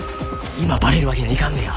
今バレるわけにはいかんのや。